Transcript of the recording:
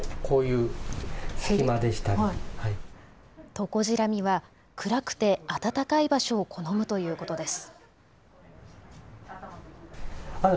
トコジラミは暗くてあたたかい場所を好むということです。